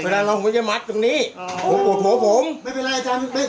เวลาเราไม่ได้มัดตรงนี้อ๋อผมปวดหัวผมไม่เป็นไรอาจารย์ไม่